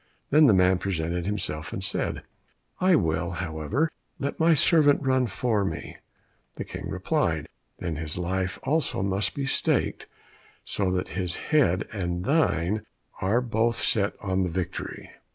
Then the man presented himself and said, "I will, however, let my servant run for me." The King replied, "Then his life also must be staked, so that his head and thine are both set on the victory."